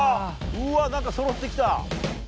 うわ何かそろって来た。